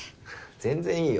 全然いいよ。